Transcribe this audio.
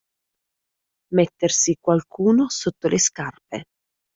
Mettersi qualcuno sotto le scarpe.